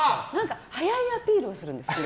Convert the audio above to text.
早いアピールをするんです。